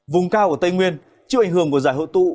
vùng cao của tây nguyên chịu ảnh hưởng của giải hội tụ